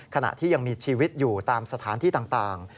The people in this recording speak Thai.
ขณะที่ยังมีชีวิตอยู่ตามสถานที่ต่าง